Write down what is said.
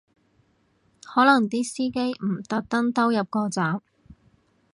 可能啲司機唔特登兜入個站